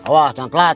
wah jangan telat